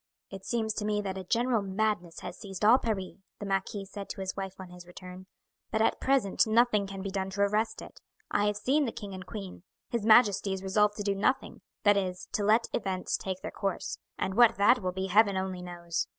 "It seems to me that a general madness has seized all Paris," the marquis said to his wife on his return, "but at present nothing can be done to arrest it. I have seen the king and queen. His majesty is resolved to do nothing; that is, to let events take their course, and what that will be Heaven only knows.